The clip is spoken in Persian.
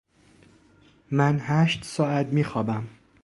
من هشت ساعت می خوابم